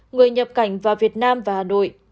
người nhập cảnh vào việt nam và hà nội